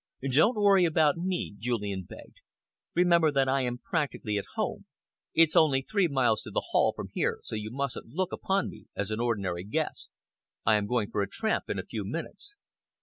"Don't worry about me," Julian begged. "Remember that I am practically at home. It's only three miles to the Hall from here so you mustn't look upon me as an ordinary guest. I am going for a tramp in a few minutes."